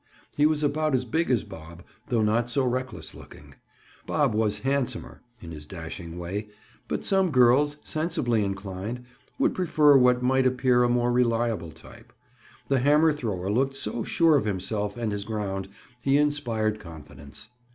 He was about as big as Bob, though not so reckless looking. Bob was handsomer, in his dashing way, but some girls, sensibly inclined, would prefer what might appear a more reliable type. The hammer thrower looked so sure of himself and his ground he inspired confidence.